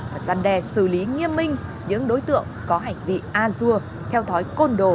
và giăn đe xử lý nghiêm minh những đối tượng có hành vị azua theo thói côn đồ bạo lực